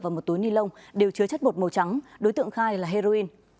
và một túi ni lông đều chứa chất bột màu trắng đối tượng khai là heroin